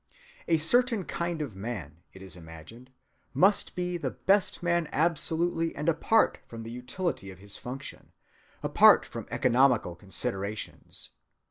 A certain kind of man, it is imagined, must be the best man absolutely and apart from the utility of his function, apart from economical considerations.